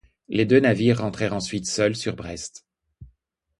Les deux navires rentrèrent ensuite seuls sur Brest.